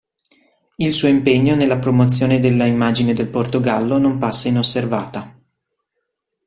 Il suo impegno nella promozione della immagine del Portogallo non passa inosservata.